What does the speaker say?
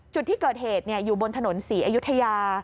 จุดที่เกิดเหตุอยู่บนถนนศรีอยุธยา